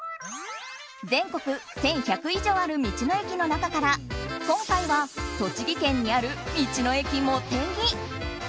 全国１１００以上ある道の駅の中から今回は、栃木県にある道の駅もてぎ。